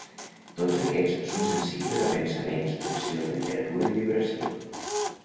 Tots aquests són sensibles a pensaments, pressió, temperatura i vibració.